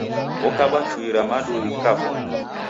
Okabwa chui ra madu ghikafwa